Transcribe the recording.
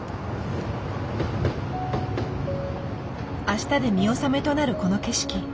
明日で見納めとなるこの景色。